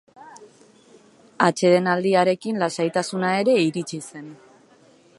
Atsedenaldiarekin lasaitasuna ere iritsi zen.